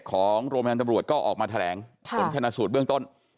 ของโรงแมนตำรวจก็ออกมาแถลงส่วนชนะสูตรเบื้องต้น